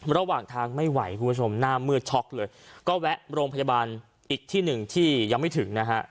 ระหว่างทางไม่ไหวคุณผู้ชมหน้ามืดช็อกเลยก็แวะโรงพยาบาลอีกที่หนึ่งที่ยังไม่ถึงนะฮะ